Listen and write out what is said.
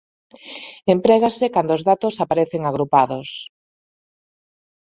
Emprégase cando os datos aparecen agrupados.